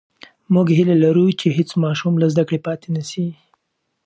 موږ هیله لرو چې هېڅ ماشوم له زده کړې پاتې نسي.